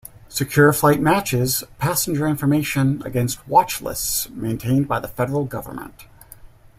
Secure Flight matches passenger information against watch lists maintained by the federal government.